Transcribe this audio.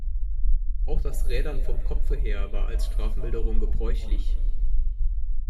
Auch das Rädern vom Kopfe her war als Strafmilderung gebräuchlich.